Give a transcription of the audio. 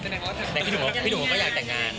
พี่หนูก็อยากแต่งงาน